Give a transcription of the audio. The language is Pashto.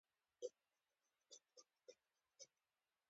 تمرین انسان او حیوان دواړه پیاوړي کوي.